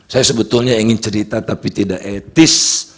saya sebetulnya ingin cerita tapi tidak etis